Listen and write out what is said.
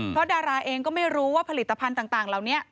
เพราะดาราเองก็ไม่รู้ว่าผลิตภัณฑ์ต่างเหล่านี้